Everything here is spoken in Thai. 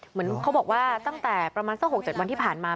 เหมือนเขาบอกว่าตั้งแต่ประมาณสัก๖๗วันที่ผ่านมา